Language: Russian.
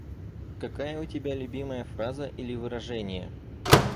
Какая у тебя любимая фраза или выражение?